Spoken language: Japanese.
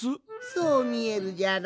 そうみえるじゃろ？